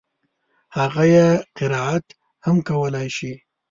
هغه يې قرائت هم کولای شي.